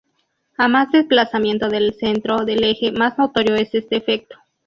A más desplazamiento del centro del eje, más notorio es este efecto.